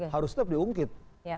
harus tetap diungkit